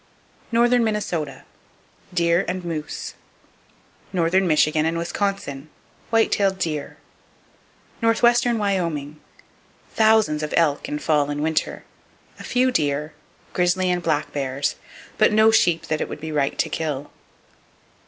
Northern Minnesota : Deer and moose. Northern Michigan And Wisconsin : White tailed deer. [Page 158] Northwestern Wyoming : Thousands of elk in fall and winter; a few deer, grizzly and black bears, but no sheep that it would be right to kill.